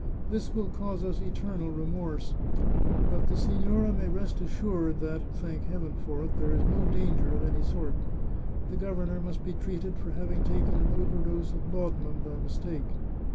This will cause us eternal remorse. But the signora may rest assured that — thank Heaven for it !— there is no danger of any sort. The gov ernor must be treated for having taken an overdose of lau danum by mistake.